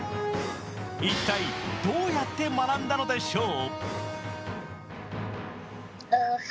一体どうやって学んだのでしょう？